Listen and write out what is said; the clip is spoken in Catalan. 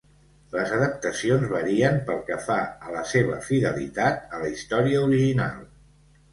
Les adaptacions varien pel que fa a la seva fidelitat a la història original.